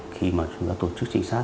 khi mà chúng ta tổ chức trinh sát